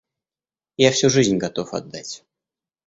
Я всю жизнь готов отдать...